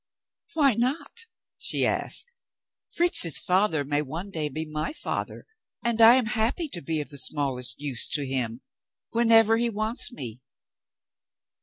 "Why not?" she asked. "Fritz's father may one day be my father; and I am happy to be of the smallest use to him, whenever he wants me.